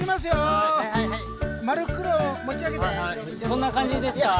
こんな感じですか？